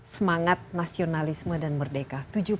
semangat nasionalisme dan merdeka